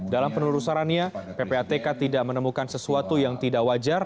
dalam penelurusannya ppatk tidak menemukan sesuatu yang tidak wajar